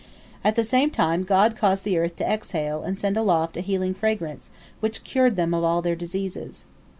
At the same time, God caused the earth to exhale and send aloft a healing fragrance, which cured them of all their diseases.